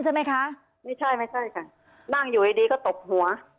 ใช่ไหมคะไม่ใช่ไม่ใช่ค่ะนั่งอยู่ไอดีก็ตบหัว